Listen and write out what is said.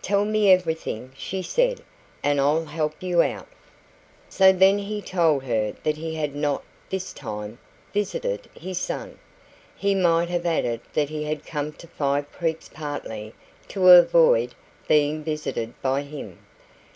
"Tell me everything," she said, "and I'll help you out." So then he told her that he had not "this time" visited his son. He might have added that he had come to Five Creeks partly to avoid being visited by him.